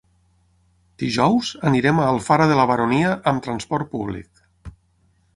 Dijous anirem a Alfara de la Baronia amb transport públic.